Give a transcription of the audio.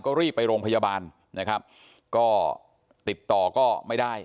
ก็รีบไปโรงพยาบาลนะครับก็ติดต่อก็ไม่ได้